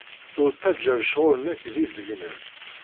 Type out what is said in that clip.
Ur ttajja lecɣal-nnek d izegnen.